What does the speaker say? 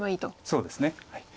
そうですね。